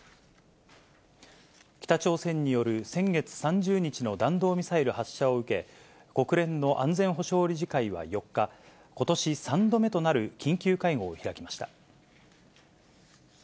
北朝鮮による先月３０日の弾道ミサイル発射を受け、国連の安全保障理事会は４日、ことし３度目となる緊急会合を開きました。